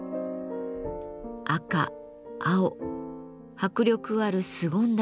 赤青迫力あるすごんだ